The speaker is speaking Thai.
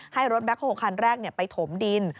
ให้รถแคคโฮลคันแรกไปถมดิน